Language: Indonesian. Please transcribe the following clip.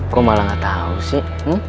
aku malah gak tau sih